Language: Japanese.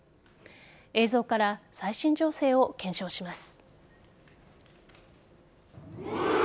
映像から最新情勢を検証します。